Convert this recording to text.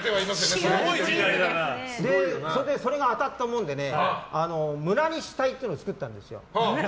それが当たったもんで村西隊っていうのを作ったんですよ。